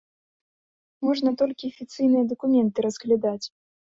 Можна толькі афіцыйная дакументы разглядаць.